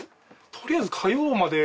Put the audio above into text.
取りあえず火曜まで。